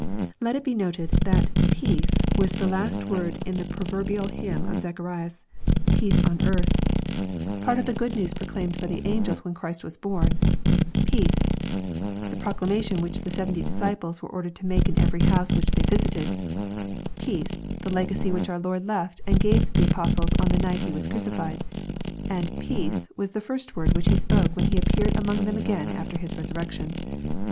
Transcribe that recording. Let it be noted, that " peace" was the last word in the pro obetical hymn of Zacharias, — "peace on earth," part of the 22* 514 EXPOSITOBY THOUGHTS. good news proclaimed by angels when Christ was born, —" peace' the proclamation which the seventy disciples were ordered to make in every house which they visited, —'* peace" the legacy which our Lord left and gave to the apostles on the night before He was cru cified,— and "peace" was the fii st word which He spoke when He appeared among them again after His resurrection.